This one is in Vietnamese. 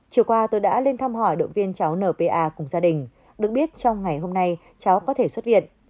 chiều qua tôi đã lên thăm hỏi động viên cháu npa cùng gia đình được biết trong ngày hôm nay cháu có thể xuất viện